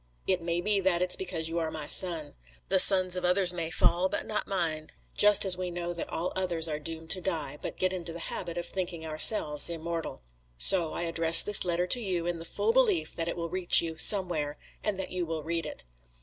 It may be that it's because you are my son. The sons of others may fall, but not mine, just as we know that all others are doomed to die, but get into the habit of thinking ourselves immortal. So, I address this letter to you in the full belief that it will reach you somewhere, and that you will read it.